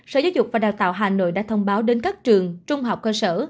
sở giáo dục và đào tạo hà nội đã thông báo đến các trường trung học cơ sở